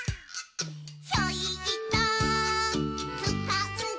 「ひょいっとつかんで」